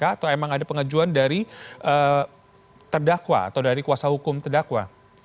atau emang ada pengajuan dari terdakwa atau dari kuasa hukum terdakwa